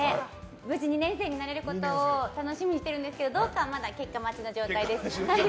無事に２年生になれることを楽しみにしてるんですけどどうかは結果待ちの状態です。